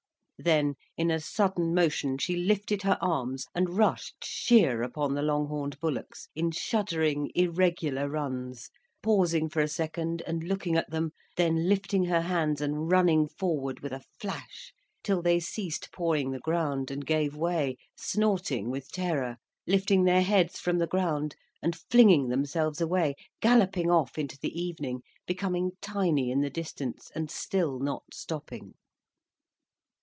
Then in a sudden motion, she lifted her arms and rushed sheer upon the long horned bullocks, in shuddering irregular runs, pausing for a second and looking at them, then lifting her hands and running forward with a flash, till they ceased pawing the ground, and gave way, snorting with terror, lifting their heads from the ground and flinging themselves away, galloping off into the evening, becoming tiny in the distance, and still not stopping.